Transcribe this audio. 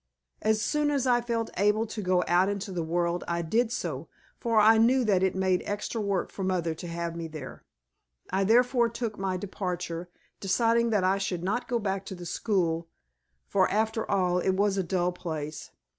As soon as I felt able to go out into the world I did so, for I knew that it made extra work for mother to have me there. I therefore took my departure, deciding that I should not go back to the school (for after all it was a dull place).